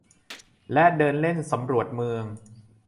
และเดินเล่นสำรวจเมือง